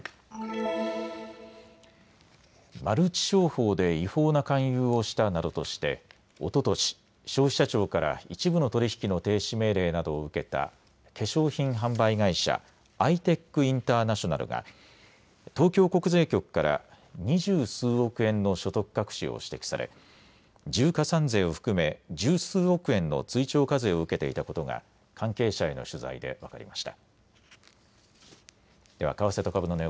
マルチ商法で違法な勧誘をしたなどとしておととし消費者庁から一部の取り引きの停止命令などを受けた化粧品販売会社、ＩＴＥＣＩＮＴＥＲＮＡＴＩＯＮＡＬが東京国税局から二十数億円の所得隠しを指摘され重加算税を含め十数億円の追徴課税を受けていたことが関係者への取材で分かりました。